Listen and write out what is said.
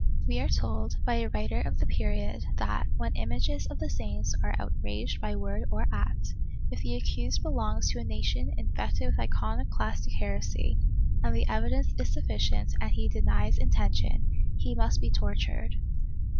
We are told, by a writer of the period, that, when images of the saints are outraged by word or act, if the accused belongs to a nation infected with iconoclastic heresy, and the evidence is sufficient and he denies intention, he must be tor tured.